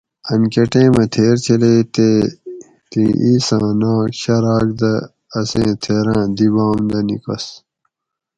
ان کہ ٹیمہ تھیر چلیئ تے تیں ایساں ناک شراۤک دہ اسیں تھیراں دی باۤم دہ نیکیس